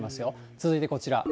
続いてこちら。